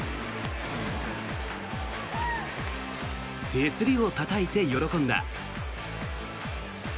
手すりをたたいて喜んだ。